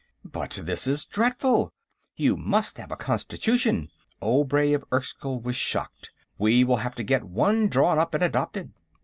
"But this is dreadful; you must have a constitution!" Obray of Erskyll was shocked. "We will have to get one drawn up and adopted."